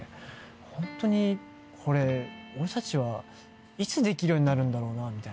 ホントにこれ俺たちはいつできるようになるんだろうなみたいな。